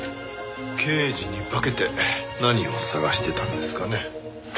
刑事に化けて何を探してたんですかね？